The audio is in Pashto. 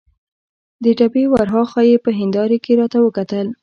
د ډبې ور هاخوا یې په هندارې کې راته وکتل.